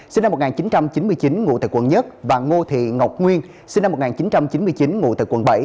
sinh năm một nghìn chín trăm chín mươi chín ngụ tại quận một và ngô thị ngọc nguyên sinh năm một nghìn chín trăm chín mươi chín ngụ tại quận bảy